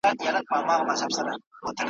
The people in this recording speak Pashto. خدای ورکړی په قدرت ښکلی جمال وو `